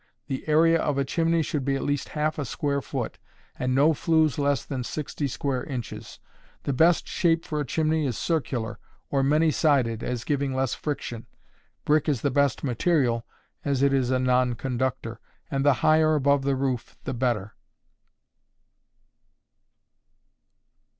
The area of a chimney should be at least half a square foot, and no flues less than sixty square inches. The best shape for a chimney is circular, or many sided, as giving less friction, (brick is the best material, as it is a non conductor,) and the higher above the roof the better.